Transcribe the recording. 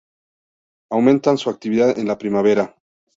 Aumentan su actividad en la primavera.